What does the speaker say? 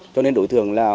cho nên đối tượng là